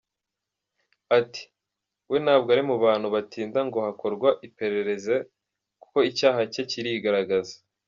Ati “we ntabwo ari mu bantu batinda ngo harakorwa iperereze kuko icyaha cye kirigaragaza.